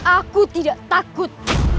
aku tidak takut